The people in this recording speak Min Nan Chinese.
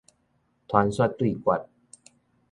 傳說對決